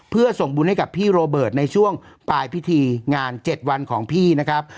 เพื่อส่งบุญให้กับพี่โรเบิร์ตในช่วงปลายพิธีงาน๗วันของพี่นะครับ